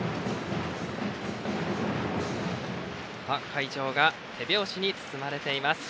会場が手拍子に包まれています。